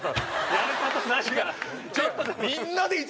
やる事ないから。